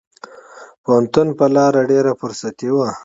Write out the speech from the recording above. پوهنتون په لار ډېره فرصتي وه.